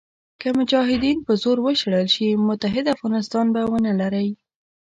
که مجاهدین په زور وشړل شي متحد افغانستان به ونه لرئ.